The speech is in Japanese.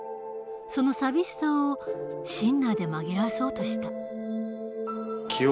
その寂しさをシンナーで紛らわそうとした。